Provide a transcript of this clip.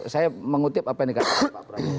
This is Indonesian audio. saya mengutip apa yang dikatakan pak prabowo